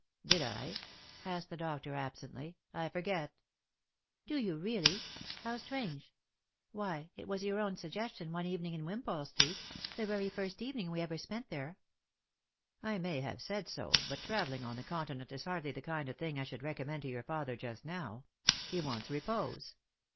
" Did I P " asked the doctor absently. " I forget." " Do you really ? How strange ! Why, it was your own suggestion, one evening in Wimpole street ; the very first even ing we ever spent there." " I may have said so. But travelling on the Continent is hardly the kind of thing I should recommend to your father just now. He wants repose."